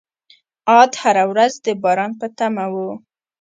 عاد هره ورځ د باران په تمه وو.